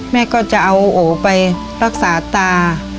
แม่ก็จะเอาโอไปรักษาตา